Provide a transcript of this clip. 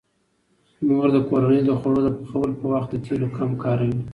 مور د کورنۍ د خوړو د پخولو په وخت د تیلو کم کاروي.